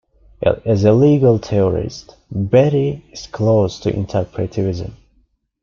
As a legal theorist, Betti is close to interpretivism.